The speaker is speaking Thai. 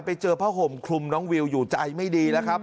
ไปเจอผ้าห่มคลุมน้องวิวอยู่ใจไม่ดีแล้วครับ